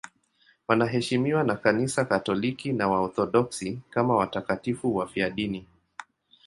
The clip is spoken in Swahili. Wanaheshimiwa na Kanisa Katoliki na Waorthodoksi kama watakatifu wafiadini.